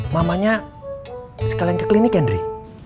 mamanya sekalian ke klinik ya indri